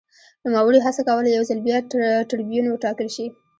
نوموړي هڅه کوله یو ځل بیا ټربیون وټاکل شي